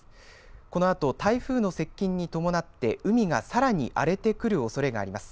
このあと台風の接近に伴って海がさらに荒れてくるおそれがあります。